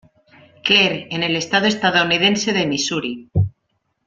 Clair en el estado estadounidense de Misuri.